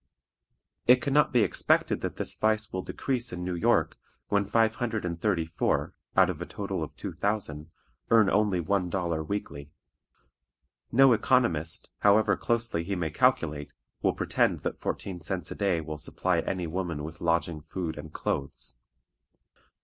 It can not be expected that this vice will decrease in New York when five hundred and thirty four, out of a total of two thousand, earn only one dollar weekly. No economist, however closely he may calculate, will pretend that fourteen cents a day will supply any woman with lodging, food, and clothes.